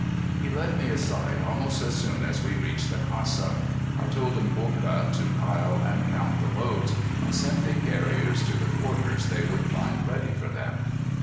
He led me aside almost as soon as we reached the casa. I told Mboka to pile and count the loads, and sent the carriers to the quarters they would find ready for them.